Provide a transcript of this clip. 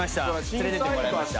連れて行ってもらいました。